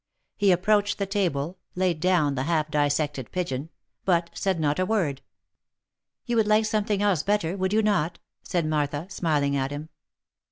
He approached the table, laid down the half dissected pigeon, but said not a word. " You would like something else better, would you not?" said Martha, smiling at him.